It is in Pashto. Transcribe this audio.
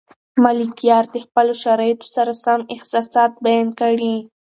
ملکیار د خپلو شرایطو سره سم احساسات بیان کړي.